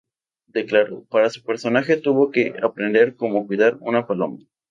Declaró: “Para su personaje, tuvo que aprender cómo cuidar una paloma.